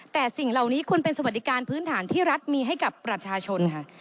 แต่สิ่งเหล่านี้ควรเป็นสวัสดิการพื้นฐานที่รัฐมีให้กับประชาชนค่ะ